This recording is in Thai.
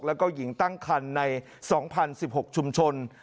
แล้วก็หญิงตั้งคันใน๒๐๑๖ชุมชน